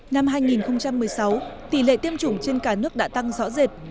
năm hai nghìn một mươi sáu tỷ lệ tiêm chủng trên cả nước đã tăng rõ rệt